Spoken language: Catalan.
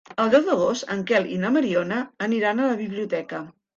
El deu d'agost en Quel i na Mariona aniran a la biblioteca.